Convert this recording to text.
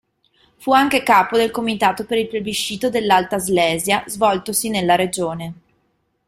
Fu anche capo del comitato per il Plebiscito dell'Alta Slesia svoltosi nella regione.